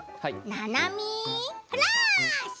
「ななみフラッシュ！」。